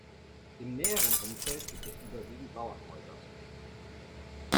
Im näheren Umfeld gibt es überwiegend Bauernhäuser.